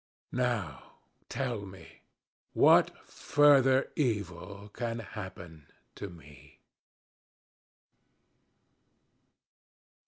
Now tell me what further evil can happen to me?